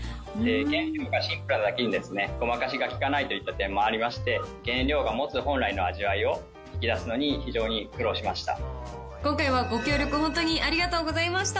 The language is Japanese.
原料がシンプルなだけに、ごまかしがきかないといった点もありまして、原料が持つ本来の味わいを引き出すのに、今回はご協力、本当にありがとうございました。